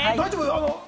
大丈夫？